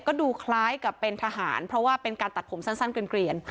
ก็ดูคล้ายกับเป็นทหารเพราะว่าเป็นการตัดผมสั้นเกลียน